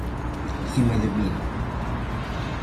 Cimadevila.